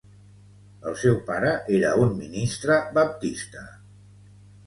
El seu pare era un ministre baptista.